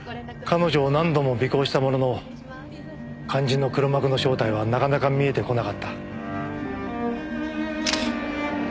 彼女を何度も尾行したものの肝心の黒幕の正体はなかなか見えてこなかった。